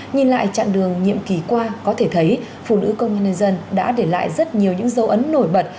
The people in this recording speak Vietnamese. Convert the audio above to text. nhìn lại chặng đường nhiệm kỳ qua có thể thấy phụ nữ công an nhân dân đã để lại rất nhiều những dấu ấn nổi bật